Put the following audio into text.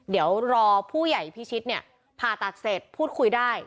เดี๋ยวรอผู้ใหญ่พิชิตเนี่ยผ่าตัดเสร็จพูดคุยได้